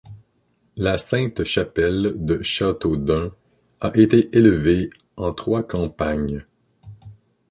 La Sainte-Chapelle de Châteaudun a été élevée en trois campagnes.